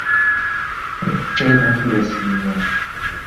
这也太恶心了。